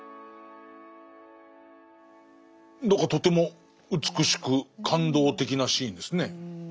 何かとても美しく感動的なシーンですね。